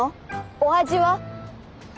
お味は？